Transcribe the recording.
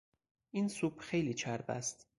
این سوپ خیلی چرب است.